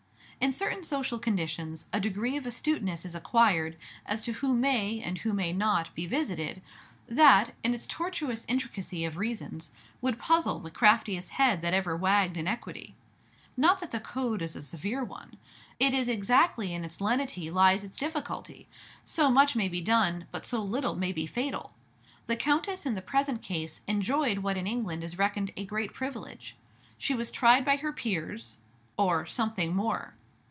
In certain social conditions a degree of astuteness is acquired as to who may and who may not be visited, that, in its tortuous intricacy of reasons, would puzzle the craftiest head that ever wagged in Equity. Not that the code is a severe one; it is exactly in its lenity lies its difficulty, so much may be done, but so little may be fatal! The Countess in the present case enjoyed what in England is reckoned a great privilege, she was tried by her peers or "something more."